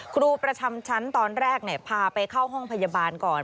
ครูประจำชั้นตอนแรกพาไปเข้าห้องพยาบาลก่อน